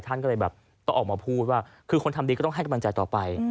ท่านก็เลยแบบต้องออกมาพูดว่าคือคนทำดีก็ต้องให้กำลังใจต่อไป